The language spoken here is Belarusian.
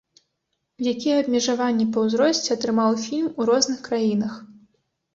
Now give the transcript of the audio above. Якія абмежаванні па ўзросце атрымаў фільм у розных краінах.